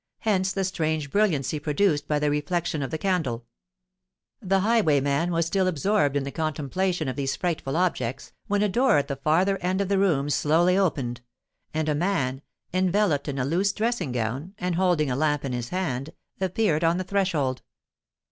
Hence the strange brilliancy produced by the reflection of the candle. The highwayman was still absorbed in the contemplation of these frightful objects, when a door at the farther end of the room slowly opened; and a man, enveloped in a loose dressing gown, and holding a lamp in his hand, appeared on the threshold.